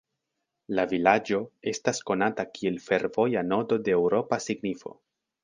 La vilaĝo estas konata kiel fervoja nodo de eŭropa signifo.